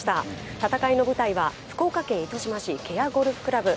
戦いの舞台は福岡県糸島市芥屋ゴルフ倶楽部。